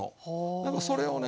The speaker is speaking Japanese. でもそれをね